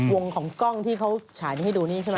ของกล้องที่เขาฉายนี้ให้ดูนี่ใช่ไหม